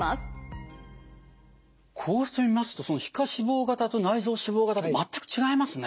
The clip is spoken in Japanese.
こうして見ますと皮下脂肪型と内臓脂肪型で全く違いますね。